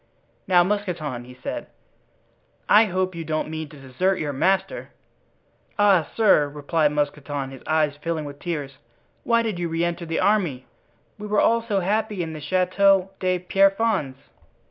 "Now, Mousqueton," he said, "I hope you don't mean to desert your master?" "Ah, sir," replied Mousqueton, his eyes filling with tears, "why did you re enter the army? We were all so happy in the Chateau de Pierrefonds!"